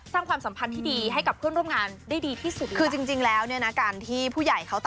สร้างความสัมพันธ์กันตรงนี้เลยนะคะ